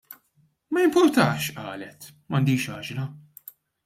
" Ma jimpurtax, " qalet " M'għandix għaġla.